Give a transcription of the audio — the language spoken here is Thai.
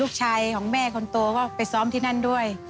ลูกชายของแม่คนโตก็ไปซ้อมที่นั่นด้วย